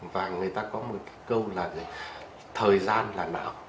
và người ta có một cái câu là thời gian là não